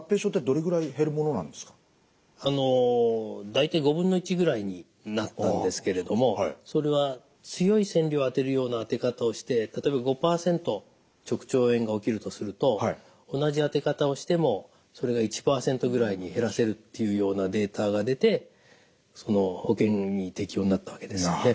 大体５分の１ぐらいになったんですけれどもそれは強い線量を当てるような当て方をして例えば５％直腸炎が起きるとすると同じ当て方をしてもそれが１％ぐらいに減らせるっていうようなデータが出て保険に適用になったわけですね。